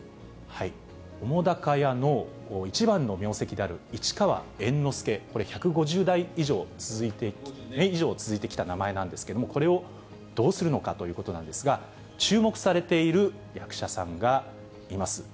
澤瀉屋の一番の名跡である市川猿之助、これ、１５０代以上続いてきた名前なんですけれども、これをどうするのかということなんですが、注目されている役者さんがいます。